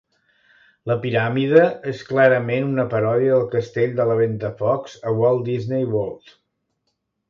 La piràmide és clarament una paròdia del castell de la Ventafocs a Walt Disney World.